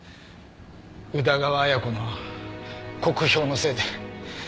宇田川綾子の酷評のせいで。